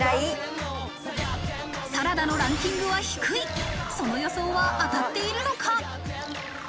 サラダのランキングは低いその予想は当たっているのか。